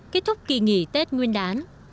kết thúc kỳ nghỉ tết nguyên đán